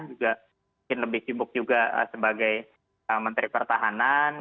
juga mungkin lebih sibuk juga sebagai menteri pertahanan